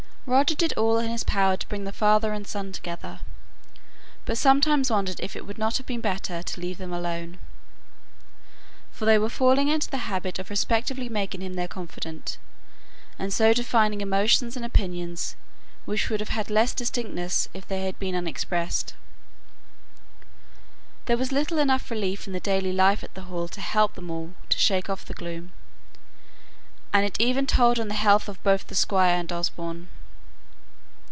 Roger did all in his power to bring the father and son together; but sometimes wondered if it would not have been better to leave them alone; for they were falling into the habit of each making him their confidant, and so defining emotions and opinions which would have had less distinctness if they had been unexpressed. There was little enough relief in the daily life at the Hall to help them all to shake off the gloom; and it even told on the health of both the Squire and Osborne.